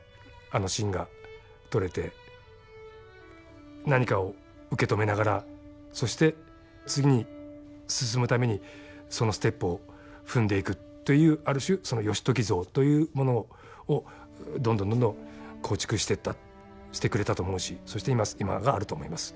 あのシーンが撮れて何かを受け止めながらそして次に進むためにそのステップを踏んでいくというある種その義時像というものをどんどんどんどん構築していったしてくれたと思うしそして今があると思います。